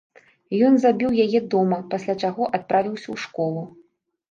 Ён забіў яе дома, пасля чаго адправіўся ў школу.